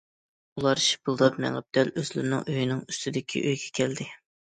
ئۇلار شىپىلداپ مېڭىپ دەل ئۆزلىرىنىڭ ئۆيىنىڭ ئۈستىدىكى ئۆيگە كەلدى.